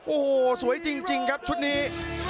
โอ้โหสวยจริงครับชุดนี้